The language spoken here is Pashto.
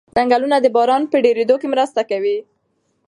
ځنګلونه د باران په ډېرېدو کې مرسته کوي.